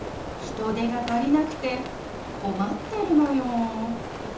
人手が足りなくて困ってるのよ。